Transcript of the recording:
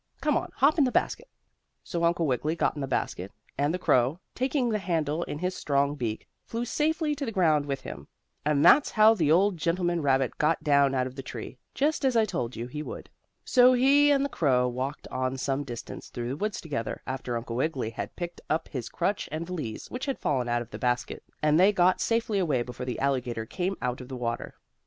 Come on, hop in the basket." So Uncle Wiggily got in the basket, and the crow, taking the handle in his strong beak, flew safely to the ground with him. And that's how the old gentleman rabbit got down out of the tree, just as I told you he would. So he and the crow walked on some distance through the woods together, after Uncle Wiggily had picked up his crutch and valise, which had fallen out of the basket, and they got safely away before the alligator came out of the water.